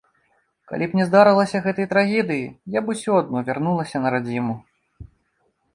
Калі б не здарылася гэтай трагедыі, я б усё адно вярнулася на радзіму.